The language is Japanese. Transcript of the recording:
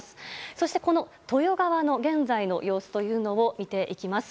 そして、この豊川の現在の様子というのを見ていきます。